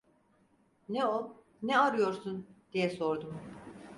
Ne o? Ne arıyorsun? diye sordum.